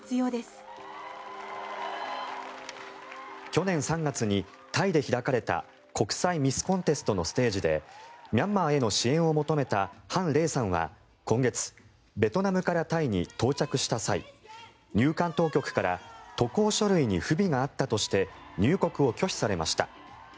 去年３月にタイで開かれた国際ミス・コンテストのステージでミャンマーへの支援を求めたハンレイさんは今月ベトナムからタイに到着した際入管当局から渡航書類に不備があったとして入国を拒否されました。